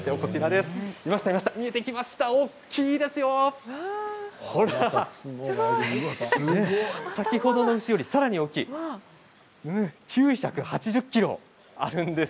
すごい。先ほどの牛よりもさらに大きい９８０ｋｇあるんです。